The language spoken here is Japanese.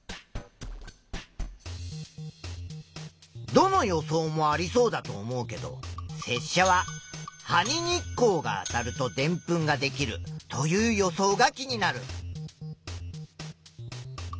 どの予想もありそうだと思うけどせっしゃは「葉に日光があたるとでんぷんができる」という予想が気になる。